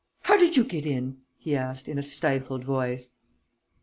How did you get in?" he asked, in a stifled voice.